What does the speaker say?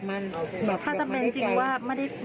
เดี๋ยวร้อนเพราะว่าเราตั้งใจทำมาสักการะท่านอยู่แล้ว